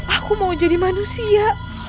aku mau jadi manusia